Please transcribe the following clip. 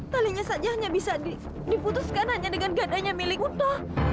talinya saja hanya bisa diputuskan hanya dengan gadanya milik uda